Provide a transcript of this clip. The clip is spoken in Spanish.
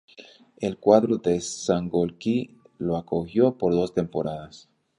El cuadro de Sangolquí lo acogió por dos temporadas.